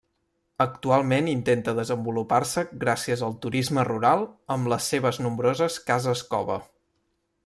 Actualment intenta desenvolupar-se gràcies al turisme rural amb les seves nombroses cases-cova.